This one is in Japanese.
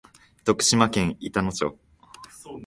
徳島県板野町